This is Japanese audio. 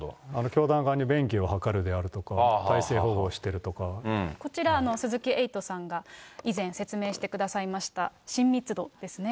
教団側に便宜を図るであるとか、こちら、鈴木エイトさんが以前説明してくださいました、親密度ですね。